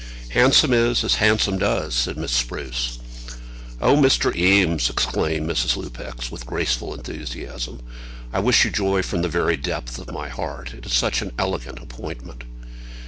"Handsome is as handsome does," said Miss Spruce. "Oh, Mr. Eames!" exclaimed Mrs. Lupex, with graceful enthusiasm, "I wish you joy from the very depth of my heart. It is such an elegant appointment."